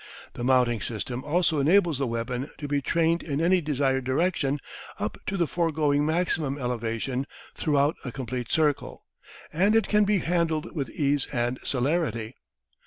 The mounting system also enables the weapon to be trained in any desired direction up to the foregoing maximum elevation throughout a complete circle, and it can be handled with ease and celerity.